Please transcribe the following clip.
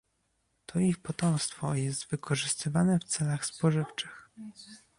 To ich potomstwo jest wykorzystywane w celach spożywczych